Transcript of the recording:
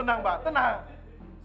tenang mbah tenang